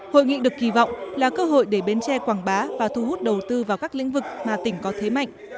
hội nghị được kỳ vọng là cơ hội để bến tre quảng bá và thu hút đầu tư vào các lĩnh vực mà tỉnh có thế mạnh